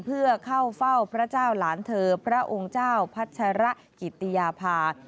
เพื่อเข้าเฝ้าพระเจ้าหลานเธอพระองค์เจ้าพัชระกิติยาภา